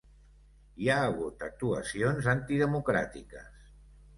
Hi ha hagut actuacions antidemocràtiques.